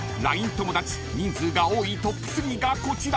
友だち人数が多いトップ３がこちら］